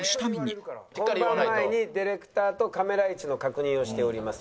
本番前にディレクターとカメラ位置の確認をしております。